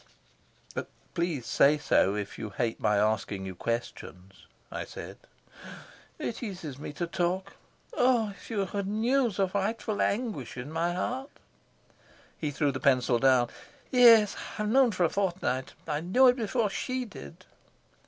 "Please say so, if you hate my asking you questions," I said. "It eases me to talk. Oh, if you knew the frightful anguish in my heart." He threw the pencil down. "Yes, I've known it for a fortnight. I knew it before she did."